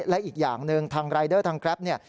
และอีกอย่างหนึ่งทางรายเดอร์ทางแกรปเนี่ย